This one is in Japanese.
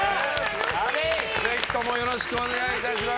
ぜひともよろしくお願いします。